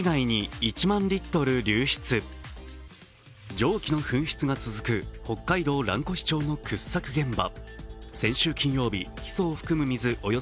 蒸気の噴出が続く北海道蘭越町の掘削現場。